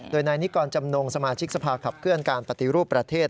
โดยนายนิกรจำนงสมาชิกสภาขับเคลื่อนการปฏิรูปประเทศ